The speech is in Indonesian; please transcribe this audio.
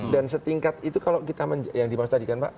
dan setingkat itu kalau kita yang dimaksud tadi kan pak